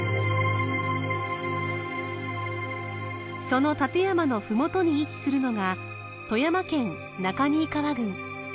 その立山のふもとに位置するのが富山県中新川郡。